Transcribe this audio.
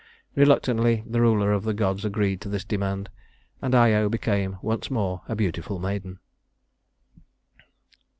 Reluctantly the ruler of the gods agreed to this demand, and Io became once more a beautiful maiden.